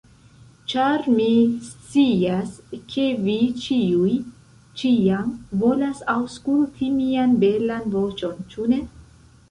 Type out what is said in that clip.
Ĉar, mi scias, ke vi ĉiuj, ĉiam volas aŭskulti mian belan voĉon, ĉu ne?